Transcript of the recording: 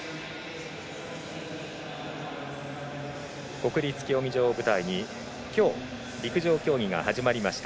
国立競技場を舞台に今日、陸上競技が始まりました。